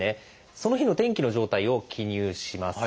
その日の「天気」の状態を記入します。